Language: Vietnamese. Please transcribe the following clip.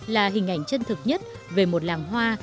là hình ảnh chân thực nhất về một làng hoa